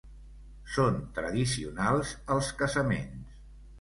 Són tradicionals als casaments.